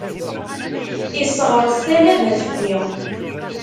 Isseɣṛes talaba fell-i.